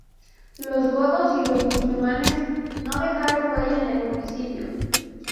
Los godos y los musulmanes no dejaron huella en el municipio.